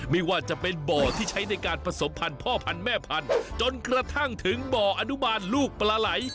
ไม่ว่าจะเป็นบ่อที่ใช้ในการผสมพันธ์พ่อพันธุ์แม่พันธุ์จนกระทั่งถึงบ่ออนุบาลลูกปลาไหล